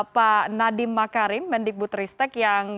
pak nadiem makarim mendikbut ristek yang